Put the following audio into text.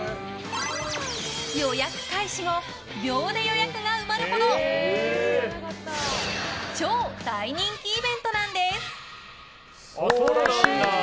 予約開始後、秒で予約が埋まるほど超大人気イベントなんです。